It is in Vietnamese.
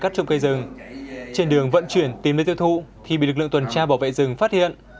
trong cây rừng trên đường vận chuyển tìm lấy tiêu thụ thì bị lực lượng tuần tra bảo vệ rừng phát hiện